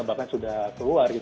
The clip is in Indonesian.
bahkan sudah keluar